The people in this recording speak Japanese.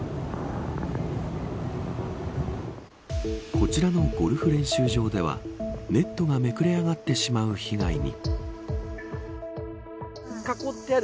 こちらのゴルフ練習場ではネットがめくれ上がってしまう被害に。